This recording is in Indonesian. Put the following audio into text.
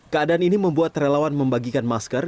keadaan ini membuat relawan membagikan masker